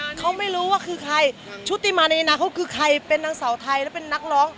เขาไม่รู้ว่าคือใครชุติมาในอนาคตคือใครเป็นนางสาวไทยและเป็นนักร้อง